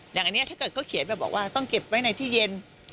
อย่างนี้ถ้าเกิดเขาเขียนแบบบอกว่าต้องเก็บไว้ในที่เย็น